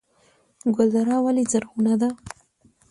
ګلدره ولې زرغونه ده؟